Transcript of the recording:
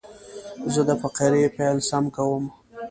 زه د فقرې پیل سم کوم.